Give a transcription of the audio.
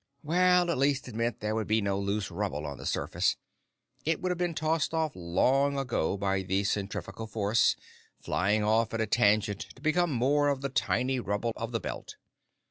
Well, at least it meant that there would be no loose rubble on the surface. It would have been tossed off long ago by the centrifugal force, flying off on a tangent to become more of the tiny rubble of the belt.